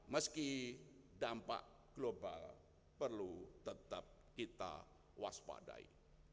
meski dampak global perlu tetap kita waspadai